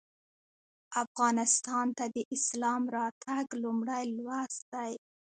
افغانستان ته د اسلام راتګ لومړی لوست دی.